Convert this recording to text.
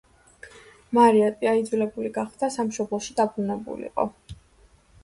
მარია პია იძულებული გახდა სამშობლოში დაბრუნებულიყო.